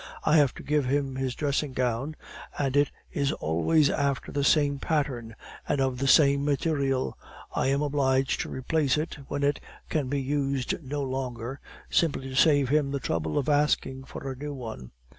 I have to give him his dressing gown, and it is always after the same pattern, and of the same material. I am obliged to replace it when it can be used no longer, simply to save him the trouble of asking for a new one.